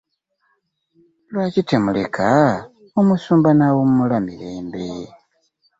Lwaki temuleka omusumba nawumula mirembe?